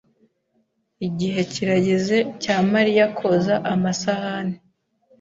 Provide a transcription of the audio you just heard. Igihe kirageze cya Mariya koza amasahani.